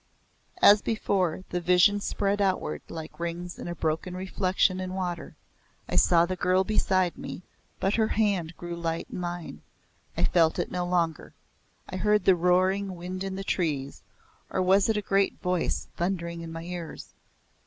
As before, the vision spread outward like rings in a broken reflection in water. I saw the girl beside me, but her hand grew light in mine. I felt it no longer. I heard the roaring wind in the trees, or was it a great voice thundering in my ears?